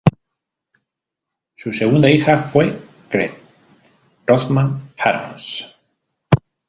Su segunda hija fue Grete Rothmann-Arons.